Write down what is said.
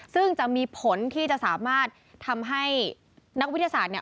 ซึ่งจะมีผลที่จะสามารถทำให้นักวิทยาศาสตร์เนี่ย